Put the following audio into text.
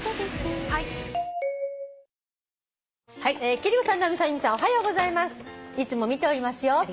「貴理子さん直美さん由美さんおはようございます」「いつも見ておりますよ。